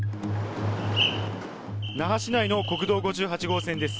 那覇市内の国道５８号線です。